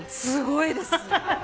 すごいです。